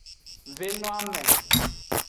Ve no ame.